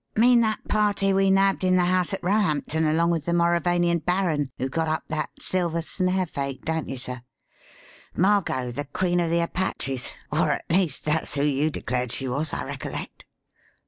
"Mean that party we nabbed in the house at Roehampton along with the Mauravanian baron who got up that Silver Snare fake, don't you, sir? Margot, the Queen of the Apaches. Or, at least, that's who you declared she was, I recollect."